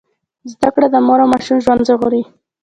زده کړه د مور او ماشوم ژوند ژغوري۔